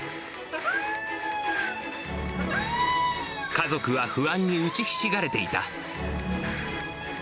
家族は不安に打ちひしがれていた。